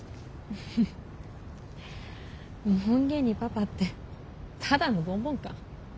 フフッ門限にパパってただのボンボンか。